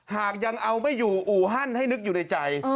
หากยังเอาไม่อยู่อู่ฮั่นให้นึกอยู่ในใจ